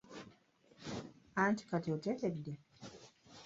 Anti kati oteredde?